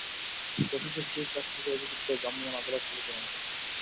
রফিকের স্ত্রীর কাছ থেকে অভিযোগ পেয়ে ভ্রাম্যমাণ আদালত পরিচালনা করা হয়।